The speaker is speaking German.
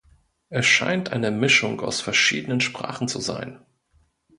Es scheint eine Mischung aus verschiedenen Sprachen zu sein.